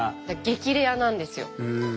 激レアなんですよ。